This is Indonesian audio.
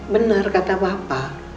bener kata papa